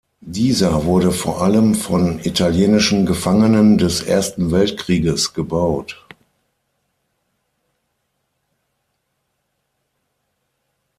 Dieser wurde vor allem von italienischen Gefangenen des Ersten Weltkrieges gebaut.